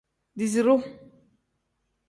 Diiziru.